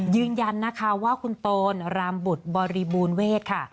ยืนยันนะคะว่าคุณโตนรามบุตรบริบูรณเวทค่ะ